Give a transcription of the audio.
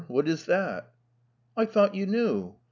What is that?" "I thought you knew.